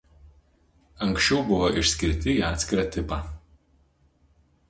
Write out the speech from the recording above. Anksčiau buvo išskirti į atskirą tipą.